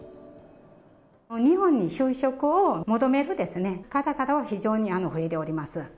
日本に就職を求める方々が非常に増えております。